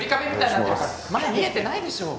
前見えてないでしょう